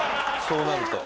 そうなると。